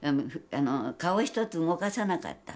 顔一つ動かさなかった。